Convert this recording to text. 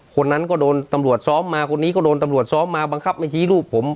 คนนั้นก็โดนตำรวจซ้อมมาคนนี้ก็โดนตำรวจซ้อมมาบังคับไม่ชี้รูปผม